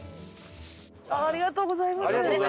ありがとうございます！